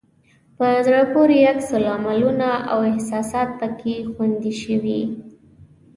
په زړه پورې عکس العملونه او احساسات پکې خوندي شوي.